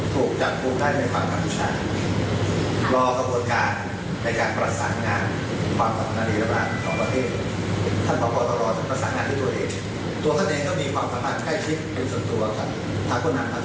รอสะพวดการในการประสานงานความสัมพันธ์อันดีและปรากฏของประเทศ